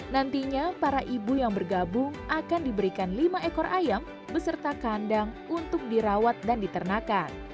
nantinya para ibu yang bergabung akan diberikan lima ekor ayam beserta kandang untuk dirawat dan diternakan